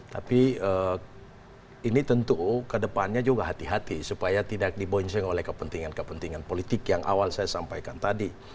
tapi ini tentu kedepannya juga hati hati supaya tidak dibonceng oleh kepentingan kepentingan politik yang awal saya sampaikan tadi